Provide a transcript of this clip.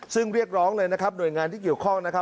ซึ่งเรียกร้องเลยหน่วยงานที่เกี่ยวข้อง